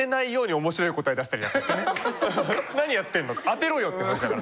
何やってんの当てろよって話だから。